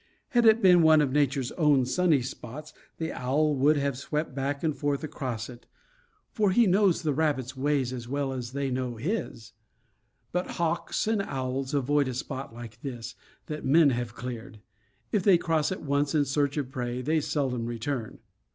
Had it been one of Nature's own sunny spots, the owl would have swept back and forth across it; for he knows the rabbits' ways as well as they know his. But hawks and owls avoid a spot like this, that men have cleared. If they cross it once in search of prey, they seldom return.